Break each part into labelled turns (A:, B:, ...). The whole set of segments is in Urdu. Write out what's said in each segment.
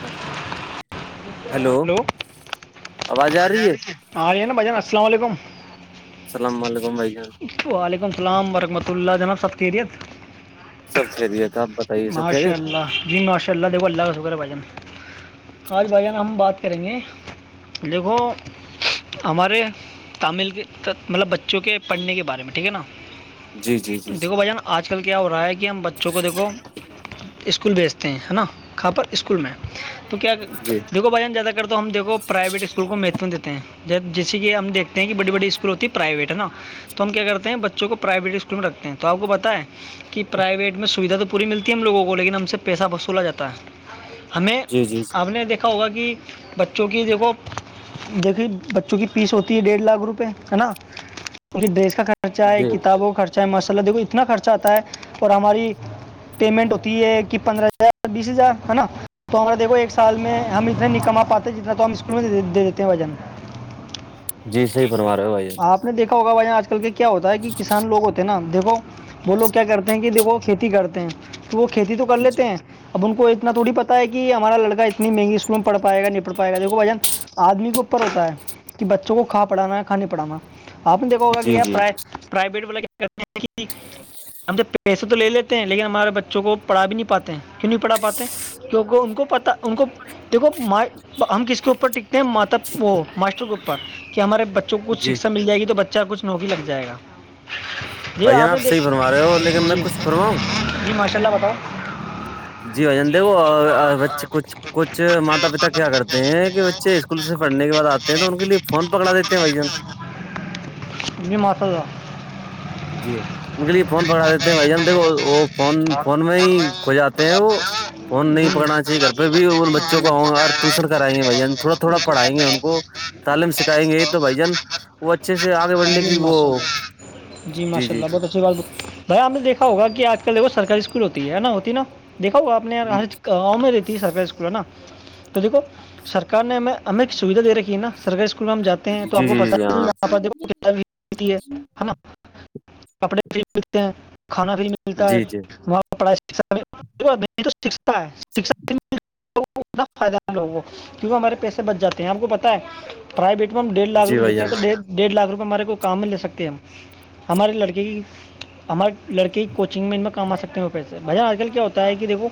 A: ہاں
B: ہلو
A: آواز آ رہی ہے
B: ہ رہ نا بجان السلام علیکم
A: السلام علیکم بھائی جان
B: وعلیکم السلام ورحمۃ اللہ جناب سب خیریت
A: سب خیریت آپ بتائیے سب
B: ماشاء
A: خیریت
B: اللہ جی ماشاء اللہ د اللہ کا سے بجن آج بھائی جانا ہم بات کریں گے دیکھو ہمارے تامل کے مطلب بچوں کے پڑھنے کے بارے میں ٹھیک ہے نا
A: جی جی جی جی
B: دیکھو بھائی جان آج کل کیا ہو رہا ہے کہ ہم بچوں کو دیکھو اسکول بھیجتے ہیں ہے نا کاں پر اسکول میں تو کیا
A: جی
B: دھو بھائیان زیادہ تو ہم دیکو پرائیویٹ اسکول کو مہتو دیتے ہیں جب جیسے کہ ہم دیکھتے ہیں کہ بڑی بڑی اسکول ہوتی ہے پرائیویٹ ہے نا تو ہم کیا کرتے ہیں بچوں کو پرائیویٹ اسکول میں رکھتے ہیں تو آپ کو بتیں کہ پرائیویٹ میں سویدھا تو پوری ملتی ہے ہم لوگوں کو لیکن ہم سے پیسہ وصولا جاتا ہے ہمیں
A: جی جی
B: ہم نے دیکھا ہوگا کہ بچوں کی دیکھو دیکھیے بچوں کی فیس ہوتی ہے ڈیڑھ لاکھ روپئے ہے نا اس ڈریس کا خرچہ ہے
A: جی
B: کتابوں کا خرچہ ہے ماسءلہ دیکھو اتنا خرچہ آتا ہے اور ہماری پیمنٹ ہوتی ہے کہ پندرہ ہزار بیس ہزار ہے نا تو ہما دیکھو ایک سال میں ہم اتنا نہیں کما پاتے جتنا تو ہم اسکول میں دے دیتے ہیں وزن
A: جی صحیح فرما رہے ہو بھائی جان
B: آپ نے دیکھا ہوگا بھائی آج کل کے کیا ہوتا ہے کہ کسان لوگ ہوتے ہیں نا دیکھو وہ لوگ کیا کرتے ہیں کہ دیکھو کھیتی کرتے ہیں تو وہ کھیتی تو کر لیتے
A: جی
B: ہیں اب ان کو اتنا تھوڑی پتتا ہے کہ ہمارا لڑکا انی مہنگی اسکول میں پڑھ پائے گا نہیں پڑھ پائے گا جو وہ وھہن آدمی کے اوپر ہوتا ہے کہ بچوں کو کھا پڑانا ہے کھا نہیں پڑانا آپ نے دیکھا ہوگا کہ
A: جی
B: یار
A: جی
B: پر پرائیویٹ والا کیا کرتے ہیں ہم تو پیسے تو لے لیتے ہیں لیکن ہمارے بچوں کو پڑھ بھی نہیں پاتے ہیں کیوں نہیں پڑھا پاتے کیونکہ ان کو پتا ان کو دیکھو م ہم کس کے اوپر ٹکتے ہیں ماتا وہ ماسٹر کے اوپر کہ ہمارے بچوں کو کچھ
A: جی
B: شکھا مل جائے گی تو بچہ کچھ نوکری لگ جائے گا جی
A: بھائی جان
B: نے
A: آپ صحی
B: دیکھ
A: فرما رہے ہو لیکن میں
B: جی
A: کچھ فرماؤں
B: جی ماشاء اللہ بتاؤ
A: جی وج کچھ کچھ ماتا پتا کیا کرتے ہیں کہ بچے اسکول سے پڑھنے کے بعد آتے ہیں تو ان کے لیے فون پکڑا دیتے ہیں بھائی جان
B: جی ماتا ہوا
A: جی ان کے لیے فون پکڑا دیتے ہیں بھائی ہم دیکھو وہ فون فون میں ہی کھ جاتے ہیں وہ فون نہیں
B: جی
A: پکانا صی کر پہ بھی ان بچوں کوؤں ٹیوشن کرائیں گے بھ تھوا تھڑا پڑھائیں گے ان کو تعلیم سکھائیں گے یہ تو بھائی جان وہ اچھے سے آگے بڑھنے کی
B: جی
A: وہ
B: ماشاء اللہ جی ماشاء اللہ بہت اچھی باتھیا آپ نےیکھا ہوا کہ آج کل دیکو سرکاری اسکول ہوتی ہے نا ہوتی نا دیکھو آ نےج ا میں رہتی سر اسکول ہے نا تو دیکھو سرار نے ہمیں ہمیں سویدھا دے رکھی ہے نا سرکاری اسکول اسکول میں ہم جاتے ہیں تو آپ
A: جی
B: کو
A: جی
B: پتا
A: جی ہاں
B: ہے کہتی ہے نا کپڑے فری ملتے ہیں کھانا فری ملتا ہے
A: جی جی
B: وہاں پڑھ توا ہے فائدہ لوگوں کو کیونکہ ہمارے پیسے بچ جاتے ہیں آپ کو پتہ ہے پرائیوی میں ہم ڈیھ لاکھ
A: جی
B: روپئے
A: بھائی
B: دتے ہیں
A: جان
B: تو ڈیھ لاکھ روپئے ہمے کو کام میں ل سکتے ہیں ہم ہمارے لڑکے کی ہمارے لڑکے کی کوچنگ میں ان میں کما سکتے ہیں وہ پیسے بھ آج کل کیا ہوتا ہے کہ دیکھو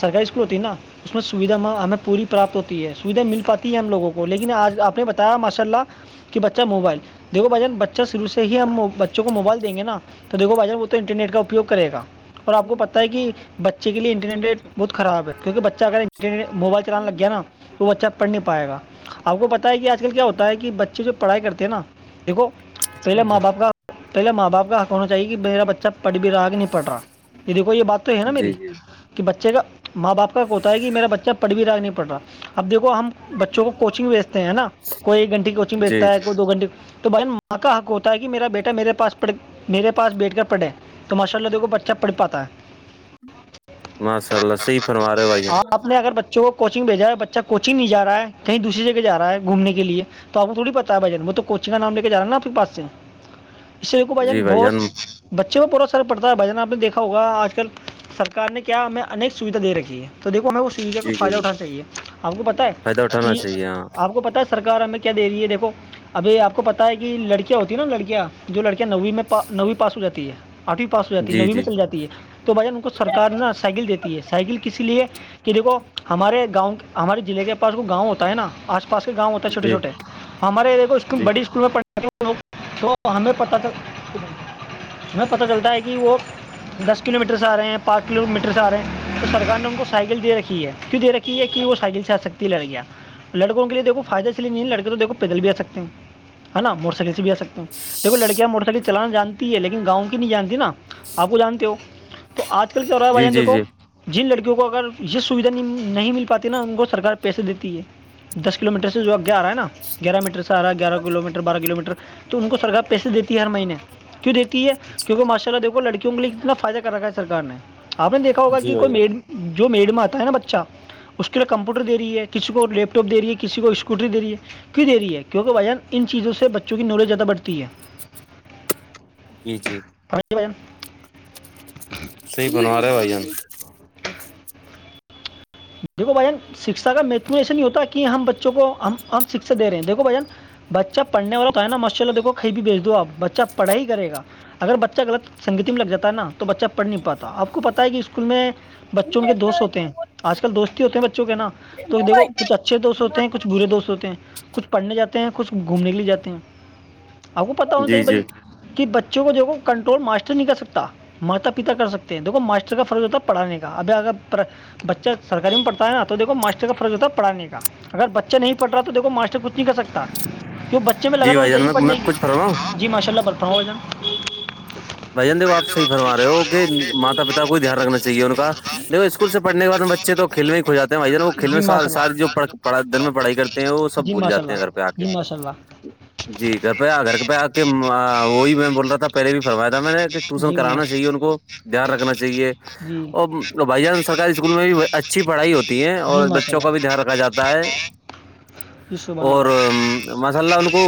B: سرکاری اسکول ہوتی نا اس میں سویدھااں ہمیں پوری پراپت ہوتی ہے سویدھا مل پاتی ہے ہم لوگوں کو لیکن آج آپ نے بتایا ماشاء اللہ کہ بچہ موبائل دیکو بھائیان بچہ شروع سے ہی ہم بچوں کو موبائل دیں گے نا تو دیکو بھائی جان وہ تو انٹرنیٹ کا اپیو کر گا اور آ کو پتا ہے کہ بچے کےے انٹرنیٹ بہت خراب ہے کیونکہ بچہ اگر انرٹ موبائل چلنا لگے نا وہ بچہ پڑھ نہیں پائے گا آپ کو پت ہے کہ آج کل کیا ہوتا ہے کہ بچے جو پڑھائی کرتے ہیں نا دیکھو پہلے ماں
A: جی
B: باپ کا پہلے ماں باپ کا حق ہونا چاہیے کہ میرا بچہ پڑھ بھی رہا کہ نہیں پڑھ رہا یہ دیکھو یہ بات تو ہے نا
A: جی
B: میری
A: جی
B: کہ بچے کا ماں باپ کا ہوتا ہے کہ میرا بچہ پڑھ بھی رہا نہیں پڑ رہا اب دیکو ہم بچوں کوچنگ بیچتے ہیں ہے نا کوئی ایک گھنٹیے کوچنگ
A: جی
B: بیچتا ہے
A: جی
B: کوئی دو گھنٹے کی تو بائی ماں کا حق ہوتا ہے کہ میرا بیٹا میرے پاس بیٹھ کر پڑھے تو ماشاء اللہ دھ کو بچہ پڑھ پاتا ہے
A: ماشاء اللہ صحی فرما رہے ہو بھائی
B: جو وہ کوچنگ بھیجا ہے بچہ کوچنگ نہیں جا رہا ہے کہیں دوسری جگہ جا رہا ہے گھومنے کے لیے تو آپ کو تھوڑ پتا ہے بھائین میں تو کوچن کا نام ل کے جا نا اپنے پس سے
A: [inaudible]
B: اسقو بھ
A: جی
B: جان
A: بھائی
B: بہت بچوں میں پورا اثر پڑتا ہے بھ جان آپ نے دیکھا ہوگا آج کل سرکار نے کیا ہمیں ا سیدھا دے رک ہے تویکو ہمیں اس انزے کو
A: جی جی
B: فائدہ
A: جی
B: اٹھانا چاہیے آپ کو پتاہ
A: فائدہ
B: ہے
A: اٹھانا
B: کہ
A: چاہیے ہاں
B: آپ کو پتا ہے سرکار ہمیں کیا دے رہی ہے دیکھو ابھی آپ کو پتا ہے کہ لڑکیاں ہوتی ہے نا لڑکیاں جو لڑکیا نوو میںا نویں پاس ہو جاتی ہے آٹویں پا ہو جاتی ہے
A: جی
B: نویں میں
A: جی
B: چل جات ہے تو بھائیان ان کو سرار نا سائیکل دی ہے سائیکل کسی لیے کہ دیکو ہمارے گاؤں ہمارے ضلع کے پاس وہ گاؤں ہوتا ہے نا آج کل اس گؤ ہوتا ہے چوٹے
A: جی
B: چوٹے ہمارےے کو اس
A: جی
B: بڑی
A: جی
B: اسکول میں پڑھے ہمیں پت تھا ہمیں پتہ چلتا ہے کہ وہ دس کلو میٹر سے آ رہے ہیں پانچ کلو میٹر سے آ رہے ہیں تو سرک نے ان کو سائیکل دے رکھی ہے کیوں دے رکھی ہے کہ وہ سائیکل سے آ سکتی ہے لڑ گیا لڑکوں کے لی دیکھو فائدہشی ل نہیں ہے لڑکے تو دھو پیدل بھی آ سکتے ہیں ہے نا موٹر سائیکل سے بھی آ سکتے دیکھو لڑکیاں موٹر سائیکل چلانا جانتی ہے لیکن گاؤں کی نہیں جانتی نا آپ کو جانتے ہو تو آج کل کیا ہو رہا ہے
A: جی
B: بھائیان
A: جی
B: دیکو
A: جی
B: جن لڑکیوں کو اگر یہ سویدھا نہیں مل پاتی نا ان کو سرک پیسے دیتی ہے دس کلو میٹر سے جو اگ گے آ رہا ہے نا گیارہ میٹر سے رہا گارہ کلو میٹر بارہ کلو میٹر تو ان کو سرکار پیسے دیتی ہےر مہینے کیوں دیتی ہے کیونکہ ماشاء اللہ دیکھو لڑکوں کے لیے کتنا فائدہ کر رکھا ہے سرار نے آپ نے دیکھا ہوگا
A: جی
B: کی
A: بھیا
B: جو میڈ میں آتا ہے نا بچہ اس کے لیے کمپیوٹر د رہی ہے کسی کو لیپ ٹاپ دے رہی ہے کسی کو اسکوٹری دے رہی ہے کیوں د رہی ہے کیونکہ بان ان چیزوں سے بچوں کی نالجیادہ بڑھتی ہے
A: جی جی
B: پرائی بن
A: صحی بنو رہے بھائی جان
B: دیکھو بھائین شکشا کا مہتو ایسے نہیں ہوتا کہ ہم بچوں کو ہم شکشا دے رہے ہیں دھو بھائین بچہ پڑھنے والوں کا ہے نا ماشاء اللہ دیکو کیں بھیج دو آ بچہ پڑھ ہی کرےا اگر بچہ غلط سنگتی میں لگ جاتا نا تو بچہ پڑھ نہیں پاتا آپ کو پتہ ہے کہ اسکول میں بچوں کے دوست ہوتے ہیں آج کل دوست ہی ہوتے ہیں بچوں کے نا تو دھو کچھ اچھے دوست ہوتے ہیں کچھ برے دوست ہوتے ہیں کچھ پڑھنے جاتے ہیں کچھ گھومنے کے لیے جاتے ہیں آپ کو پتا ہونا
A: جی
B: چاہیے
A: جی
B: بھائی کہ بچوں کو دیکھو کنٹرول ماسٹر نہیں کر سکتا ماتا پتا کر سکتے ہیں دیکھو ماسٹر کا فرض ہوتا ہے پڑانے کا ابھی اگر بچہ سرکاری میں پڑتا ہےا تو دیکو ماسٹر کا فرض ہوتا پڑھانے کا اگر بچہ نہیں پڑ رہا تو دیکھو ماسٹر کچھ نہیں کر سکتا کیوں بچے میں
A: جی
B: لگن ہونی
A: بھائی جان
B: چاہیے
A: میں
B: پڑھنے
A: میں کچھ فرماؤں
B: کی جی ماشاء اللہ برپ ہو جان
A: بھجن دو آ صح فرما رہ ہو کہ ماتا پتا کو بھی دھیان رکھنا چاہیے ان کا دیکو اس اسکول سےڑھنے کے بعد بچے تو کھیل میں ہی کھ جاتے ہیں بھائی جن وہ کھیل میں
B: جی ماشاء اللہ
A: ساری جوڑھ دن میں پڑھائی کرتے ہیں وہ سب
B: جی
A: بھول
B: ماشاء
A: جات ہیں
B: اللہ
A: گھر پہ آ کے
B: جی ماشاء اللہ
A: جی گپیا کر کے پ کہ وہی میں بول رہا تھا پہلے بھی فرمایا تھا میں نے کہ ٹیوشن
B: جی
A: کرانا چاہیے
B: ماشاء
A: ان کو دھیان رکھنا چاہیے
B: جی
A: اور بھائی جان سر اسکول میں بھی اچھی پڑھائی ہوتی ہے
B: جی
A: اور
B: ماشاء
A: بچوں
B: اللہ
A: کا بھی دھیان رکھا جا ہے
B: جی سبحان
A: اور
B: اللہ
A: ماشاء اللہ ان کو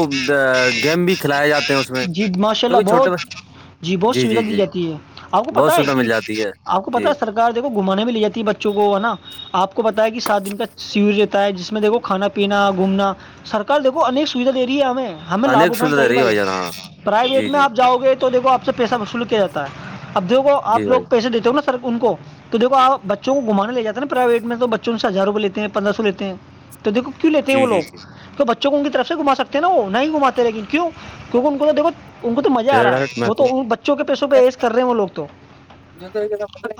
A: گیم بھی کھلائے جاتے ہیں اس میں
B: جی ماشاء اللہ
A: کیونکہ چھوٹے بچ-
B: بہت جی بہت سویدھا دی جاتی ہے آپ کو
A: بہت
B: پتا ہے
A: سویدھا
B: کہ
A: مل جاتی ہے
B: آپ کو پتا
A: جی
B: ہے سرار دیکھو گھمانے بھی لے جاتی بچوں کو ہے نا آپ کو پتا ہے کہ سات دن کا سور رہتا ہے جس میں دیکھو کھانا پینا گھومنا سرکار دیکو انیک سویدھا دے رہی ہے ہمیں ہمیں لابھ
A: انیک
B: اٹھانا
A: سویدھا دے رہی ہے
B: چاہےھیا
A: بھائی جان ہاں
B: پرائیویٹ
A: جی
B: میں
A: جی
B: آپ جاؤ گے تو دیکھو آپ سے پیسہ وصول کیا جاتا ہے اب د آ
A: جی
B: لوگ
A: بھائی جان،
B: پیسے دیتے ہو نا سر ان کو تو دو آپ تو گھمانے جا نا پرائیویٹ میں تو بچوں سے ہزار روپئے لیتے ہیں پندرہ سو لیتے ہیں تو دیکو کیوں لیتے ہیں وہ
A: جی جی
B: لگ
A: جی
B: تو بچوں کو ان کی طرف سے گھما سکتے نا وہ نہیں گھماتتے لیکن کیوں کیکہ ان کو تو دھو ان کو تو مزہ آ
A: کیسے
B: رہا ہے
A: ڈائریکٹ میں
B: وہ تو
A: ہوں۔
B: ان بچوں کے پیسوں پہ ایز کر رہے ہیں وہ لوگ تو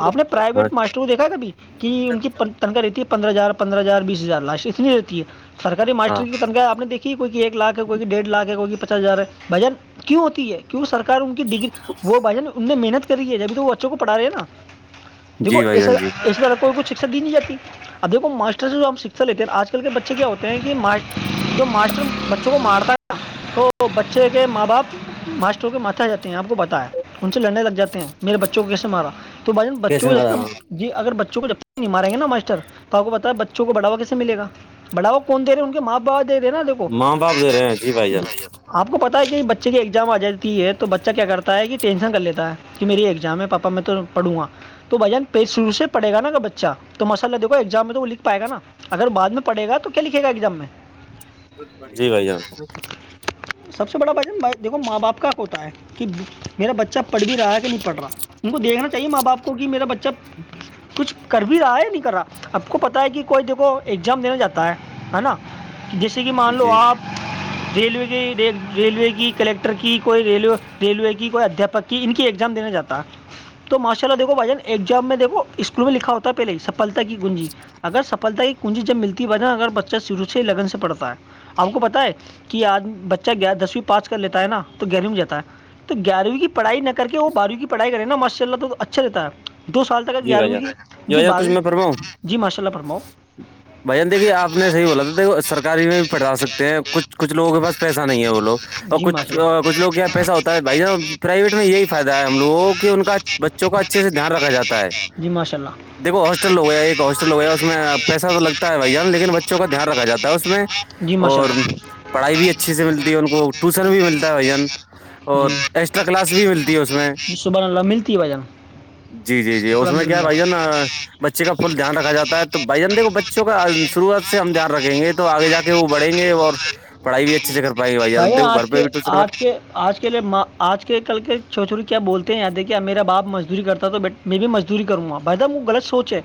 B: آپ نے
A: ہاں
B: پرائیویٹ ماسٹر دیکھ بھی کہ ان کی تنخاہ رہتی ہے پندرہ ہزار پندرہ ہزار بیس ہزار لاش اتنی رہتی ہے سرکاری
A: ہاں
B: ماسٹری کی تنخاہ آپ نےیکھی کوئی ایک لاکھ ہے کوئی ڈیڑ لاکھ ہے کوئی جا رہا بھجن کیوں ہوتی ہے کیوں سرار ان کی ڈگری وہ بجن ان نے محنت کری ہے جبھی تو وہ بچوں کو پڑھا رہے ہیں نا دیکھو
A: جی بھائی
B: ایسا
A: جان جی
B: اس طرح کوئی کھ شکا دی نہیں جاتی اب دیکو ماسٹر سے جو ہم شکھا لیتے ہیں آج کل کے بچے کیا ہوتے ہیں کہ جو ماسر بچے کو مارتا ہے نا تو بچے کے ماں باپ ماسٹر کے ماتے آ جاتے ہیں آپ کو بتا ہے ان سے لڑنے لگ جاتے ہیں میرے بچوں کو کیسے مارا تو بھائی جان
A: کیسے
B: بچوں
A: بتا
B: کو
A: رہا ہوں؟
B: ج جی اگر بچوں کو جبک نہیں ماریں گے ناٹر تو آپ کو پتا ہے بچوں کو بڑھا کیسے مل گا بڑاؤ کون دے ہیں ان کے ماں با دےا
A: ماں باپ د رہے ہیں جی بھائی جان
B: آپ کو پتا ہے کہ بچے کی ایگزام آ جاتی ہے تو بچہ کیا کرتا ہے کہ ٹینشن کر لیتا ہے کہ میری ایگزام ہے پاپا میں تو پڑوں گا تو بھجن پیج شرع سے پڑے گا نا بچہ تو ماء اللہ دیکو ایگزام میں تو وہ لکھ پائے گا نا اگر بعد میں پڑھے گا تو کیا لکھے گا ایگزام میں
A: جی بھائی جان
B: سب سے بڑا بجن دیکھو ماں باپ کا کو ہوتا ہے کہ میرا بچہ پڑھ بھی رہا ہے کہ نہیں پڑھ رہا ان کو دیکھنا چاہیے ماں باپ کو کہ میرا بچہ
A: جی
B: کچھ کر بھی رہا ہے یا نہیں کر رہا آپ کو پتاہ ہے کہ کوئی دیکھو ایگزام دینا جاتا ہے نا جیسے کہ مان لو
A: جی
B: آپ [unintelligible]
A: [inaudible]
B: ریلوے کی ریلوے کی کلیکٹر کی کوئی ریل ریلوے کی کوئی ادھپک [unintelligible] ان کی ایگزام دینے جاتا ہے تو ماشاء اللہ دھو بھائی جان ایکام [unintelligible] جب میں دیکھو اسکول میں لکھا ہوتا پہلے سفلتا کی گنجی اگر سفلتا کی کنجی جب ملتی ہو نا اگر بچہ شرو سے ہی لگن سے پڑتا ہے آپ کو پت ہے کہ آج بچہ گ دسویں پاس کر لیتا ہے نا تو گیارویں میں جاتا ہے تو گیارویں کی پڑھائی نہ کر کے وہ بارہویں کی پڑھائی کریں ناء اللہ تو اچھا رہتا ہے دو سال تک
A: جی بھائی جان
B: گیارہویں
A: جی
B: کیی
A: بھائی جان کچھ
B: بارہویں
A: میں فرماؤں
B: جی ماشاء اللہ فرماؤ
A: بھائی جان دیکھیے آ نے صحی بولا تھا سرکاری میں بھی پڑھا سکتے ہیں کچ کچھ لگوں کے پاس پیسہ نہیں ہے لو اور
B: جی
A: کچھ
B: ماشاء اللہ
A: کچھ لوگ کے یہاں پیسہ ہوتا ہے بھائی ج پرائیویٹ میں یہی فائدہ ہے ہم لو کو کہ ان کا بچہ [unintelligible] کو اچھے سے دھیان رکھااتا [unintelligible]
B: جی ماشاء اللہ [unintelligible]
A: دیکو ہاسٹل ہو گیا ایک ہاسٹل ہو گیا اس میں پیسہ تو لگتا ہے بھیاا لیکن بچوں کا دھیان رکھا جا ہے اس میں
B: جی ماشاء
A: اور
B: اللہ
A: پڑھائی بھی اچھیے سے ملتی ہے ان کو ٹیوشن بھی ملتا ہے بھن اور ایکسٹرا کلاس بھی ملتی ہے اس میں
B: سبحنے ملتی وجن
A: جی جی جی اس میں کیا بھائی نا بچے کا فل دھیان رکھا جاتا تو بھائی جانندے بچوں کا شروعات سے ہم دھیان رکھیں گے تو آگے جا کے وہ بڑیں گے اور پڑھائی بھی اچھے سے کر پائیں گے بائی
B: بھائی
A: دیکو گھر
B: آج
A: پہ
B: کے
A: بھی ٹوشن
B: آج کے آج کے لیےاں آج کے کل کے چو چھوی کیا بولتے ہیں یااں دیکھیے میرا باپ مزدوری کرتا تو بیٹا میں بھی مزدوری کروں گا بھائی وہ غلط سوچ ہے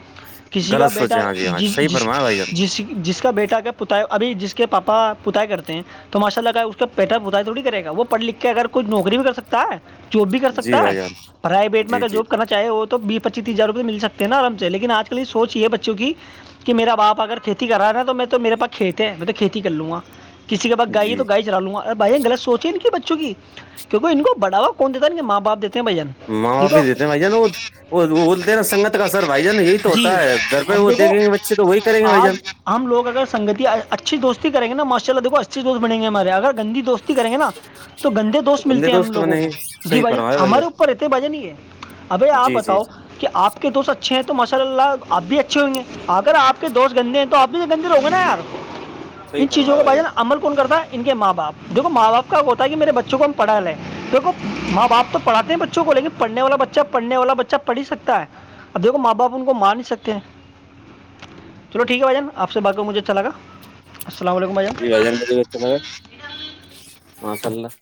B: کسی کا
A: غلط
B: بیٹا
A: سوچے ہاں جی ہاں
B: جس
A: صحیح
B: جس
A: فرمایا بھائی جان
B: جس جس کا بیٹا اگر پتا ابھی جس کے پاپا پتائے کرتے ہیں تو ماشاء اللہ اس کا پیٹرن بتتاائی تھوڑی کرے گا وہ پڑھ لکھ کے اگر کوئی نوکری بھی کر سکتا ہے جاب بھی کر
A: جی
B: سکتا ہے
A: بھائی جان
B: پرائی بیٹما
A: جی
B: کا
A: جی
B: جاب کرنا چاہے وہ تو بیسچی تیس ہزار روپئے مل سکتے نا آم سے لیکن آجل سوچ یہ ہے بچوں کی کہ میرا باپ اگر کھیتی کر رہا ہے نا تو میں تو میرے پاس کھیت ہے میں تو کھیتی کر لوں گا کسی کے پاس گائے بھی
A: جی
B: رہ لوںا ار بھائی غط سوچے کے بچوں کیونکہ ان کو بڑھا کون دیتا کے ماں باپ دیتے ہیں بھین
A: ماں باپ بھی دیتے ہیں بھائی نوود وہ وہ بولتے ہیں نا سگت کا سر بھائی جان یہی تو
B: جی
A: ہوتا ہے گھر پہ
B: اب
A: وہ
B: دیکھو
A: دیکیں گے بچے تو وہی کریں گے بھائی جان
B: آج ہم لوگ اگر سنگتی اچھی دوستی کریں گےاشاءلہ دیکو اچھی دوست بنیں گے ہمارے اگر گندی دوستی کریں گے نا تو تو گندے دوست
A: بندے
B: ملتے ہیں ہم لووں
A: بنیں گے
B: کو جی
A: صحیح
B: بھجن
A: فرمایا بھائی
B: ہمارے
A: جان
B: اوپر رہتے ہیں بھجن ہی ہے ابھ آپ
A: جی جی
B: بتاؤ کہ آپ کے دوست اچھے ہیں تو ماشاء اللہ آپ بھی اچھے ہوںیں گے اگر آپ کے دوست گندے ہیں تو آپ بھی گندے رہو گے نا یار
A: صحیح
B: ان چیزوں
A: فرمایا
B: کو
A: بھائی
B: بھ
A: جان
B: جانا عمل کرتا ان کے ماں باپ جو کہ ماں باپ کا ہوتا کہ میرے بچوں کو ہم پڑھا لیں دیکھو ماں باپ تو پڑھاتے ہیں بچوں کو لیکن پڑھنے والا بچہ پڑھنے والا بچہ پڑھ ہی سکتا ہے اب دیکھو ماں باپ ان کو مار نہیں سکتے ہیں چلو ٹھیک ہے بھائی جان آپ سے باقی مجھے اچھا لگا السلام علیکم بھائی جان
A: [inaudible]